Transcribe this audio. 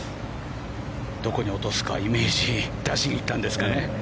どこに落とすかイメージを出しに行ったんですかね。